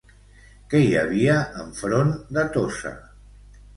Què hi havia enfront de Tossa?